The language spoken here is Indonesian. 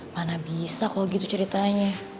mana bisa kalau gitu ceritanya